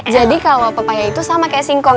jadi kalau pepaya itu sama kayak singkong